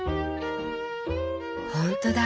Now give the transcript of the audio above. ほんとだ！